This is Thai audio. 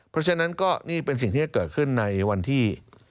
เพราะฉะนั้นก็นี่เป็นสิ่งที่จะเกิดขึ้นในวันที่